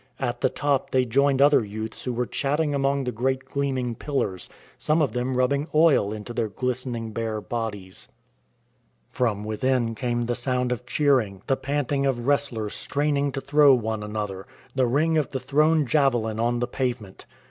At the top they joined other youths who were chatting among the great gleaming pillars, some of them rubbing oil into their glistening bare bodies. From within came the sound of cheering, the pant ing of wrestlers straining to throw one another, the ring of the thrown javelin on the pavement.